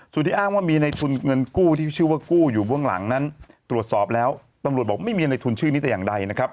ส่วนที่อ้างว่ามีในทุนเงินกู้ที่ชื่อว่ากู้อยู่เบื้องหลังนั้นตรวจสอบแล้วตำรวจบอกไม่มีในทุนชื่อนี้แต่อย่างใดนะครับ